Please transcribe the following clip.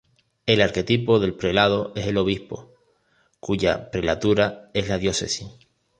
El arquetipo del prelado es el obispo, cuya prelatura es la diócesis.